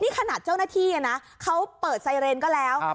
นี่ขณะเจ้าหน้าที่น่ะนะเขาเปิดไซเรนก็แล้วครับ